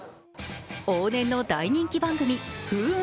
往年の大人気番組「風雲！